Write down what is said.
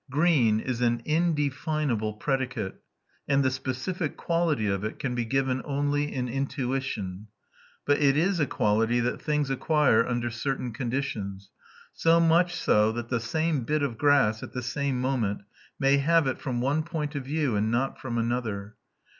Green is an indefinable predicate, and the specific quality of it can be given only in intuition; but it is a quality that things acquire under certain conditions, so much so that the same bit of grass, at the same moment, may have it from one point of view and not from another.